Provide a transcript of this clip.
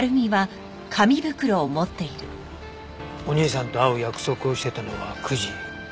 お兄さんと会う約束をしてたのは９時。